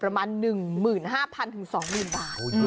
ประมาณ๑๕๐๐๒๐๐บาท